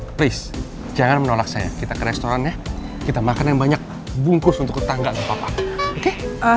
please jangan menolak saya kita ke restorannya kita makan yang banyak bungkus untuk ketangga sama pak pak oke